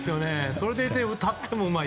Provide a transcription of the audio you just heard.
それでいて歌ってもうまい。